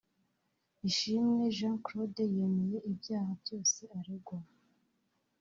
Ishimwe Jean Claude yemeye ibyaha byose aregwa